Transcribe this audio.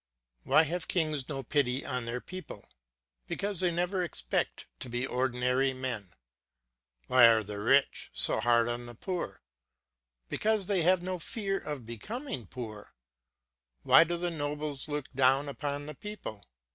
Why have kings no pity on their people? Because they never expect to be ordinary men. Why are the rich so hard on the poor? Because they have no fear of becoming poor. Why do the nobles look down upon the people?